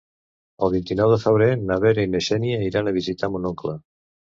El vint-i-nou de febrer na Vera i na Xènia iran a visitar mon oncle.